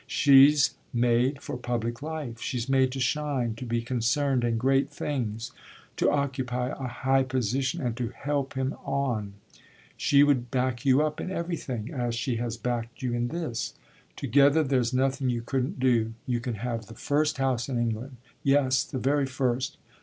She's made for public life she's made to shine, to be concerned in great things, to occupy a high position and to help him on. She'd back you up in everything as she has backed you in this. Together there's nothing you couldn't do. You can have the first house in England yes, the very first!